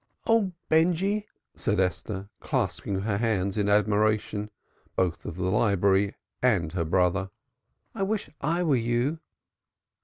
"Oh, Benjy!" said Esther, clasping her hands in admiration, both of the library and her brother. "I wish I were you."